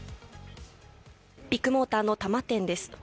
ビッグモーターの多摩店です。